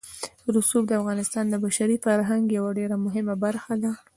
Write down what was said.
رسوب د افغانستان د بشري فرهنګ یوه ډېره مهمه برخه ده.